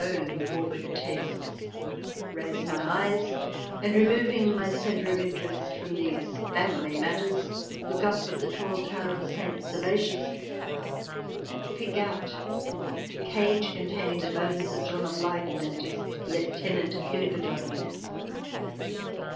xviii] ANABAPTISTS 253 morbid tastes, raise my eyes, and, removing my centre of interest from these family matters, look up at the tall tower of St. Servatius and pick out the cage containing the bones of John of Leyden and his lieutenant KnipperdoUing.